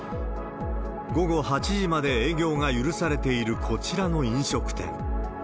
午後８時まで営業が許されているこちらの飲食店。